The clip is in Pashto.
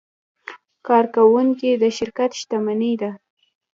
کارکوونکي د شرکت شتمني ده.